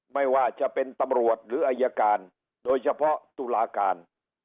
ไม่ว่าจะเป็นตำรวจหรืออายการโดยเฉพาะตุลาการ